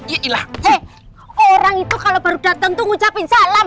hei orang itu kalau baru dateng tuh ngucapin salam